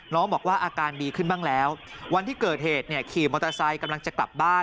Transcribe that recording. บอกว่าอาการดีขึ้นบ้างแล้ววันที่เกิดเหตุเนี่ยขี่มอเตอร์ไซค์กำลังจะกลับบ้าน